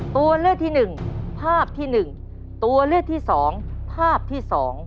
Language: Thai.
ตัวเลือกที่๑ภาพที่๑ตัวเลือกที่๒ภาพที่๒